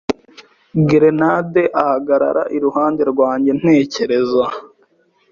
gerenade ahagarara iruhande rwanjye ntekereza